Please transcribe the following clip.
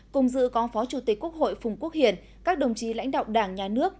cùng dự có phó chủ tịch quốc hội phùng quốc hiển các đồng chí lãnh đạo đảng nhà nước